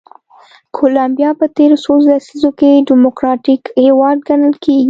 کولمبیا په تېرو څو لسیزو کې ډیموکراتیک هېواد ګڼل کېږي.